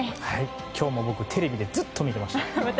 今日も僕、テレビでずっと見てました。